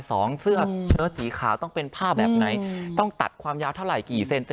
เสื้อเชิดสีขาวต้องเป็นผ้าแบบไหนต้องตัดความยาวเท่าไหร่กี่เซน